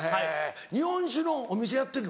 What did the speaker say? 日本酒のお店やってるの？